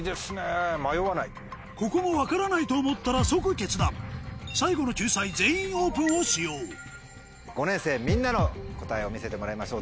ここも分からないと思ったら即決断最後の救済「全員オープン」を使用５年生みんなの答えを見せてもらいましょう。